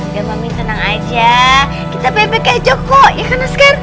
gita mami tenang aja kita payback aja kok ya kan oscar